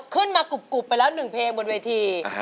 ขึ้นมากรุบไปแล้ว๑เพลงบนเวที